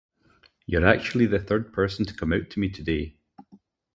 You’re actually the third person to come out to me today.